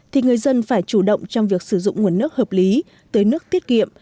thì người dân phải chủ động trong việc sử dụng nguồn nước hợp lý tới nước tiết kiệm